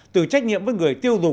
từ trách nhiệm với người dùng điện thoại